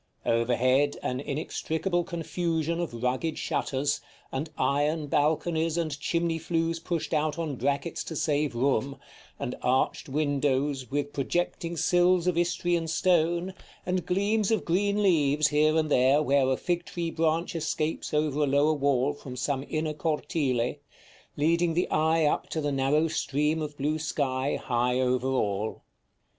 Over head an inextricable confusion of rugged shutters, and iron balconies and chimney flues pushed out on brackets to save room, and arched windows with projecting sills of Istrian stone, and gleams of green leaves here and there where a fig tree branch escapes over a lower wall from some inner cortile, leading the eye up to the narrow stream of blue sky high over all.